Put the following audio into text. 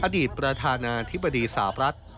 อดีตประธานาธิบดีสาวรัฐ